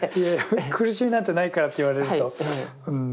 苦しみなんてないからって言われるとうん。